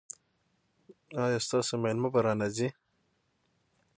ایا ستاسو میلمه به را نه ځي؟